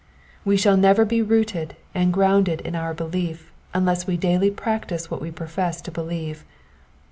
We shall never be rooted and grounded in our belief unless we daily practise what we profess to believe.